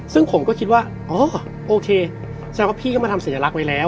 ซึ่งผมก็คิดว่าอ๋อโอเคแสดงว่าพี่ก็มาทำสัญลักษณ์ไว้แล้ว